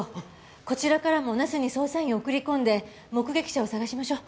こちらからも那須に捜査員を送り込んで目撃者を探しましょう。